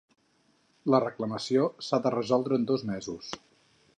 La reclamació s'ha de resoldre en dos mesos.